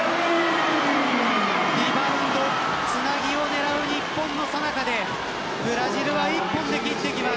リバウンドつなぎを狙う日本のさなかでブラジルは１本で切ってきます。